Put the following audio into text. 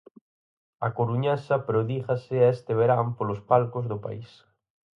A coruñesa prodígase este verán polos palcos do país.